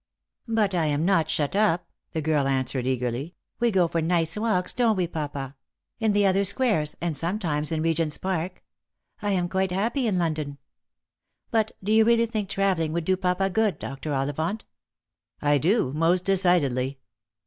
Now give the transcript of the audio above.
" But I am not shut up," the girl answered eagerly ;" we ga »or nice walks — don't we, papa? — in the other squares, and sometimes in Begent's Park. I am quite happy in London. But do you really think travelling would do papa good, Dr. Ollivant?" " I do, most decidedly."